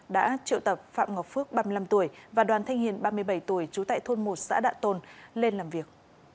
đã triệu tập phạm ngọc phước ba mươi năm tuổi và đoàn thanh hiền ba mươi bảy tuổi trú tại thôn một xã đạ tôn lên làm việc